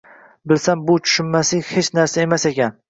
Bilsam bu tushunmaslik hech narsa emas ekan.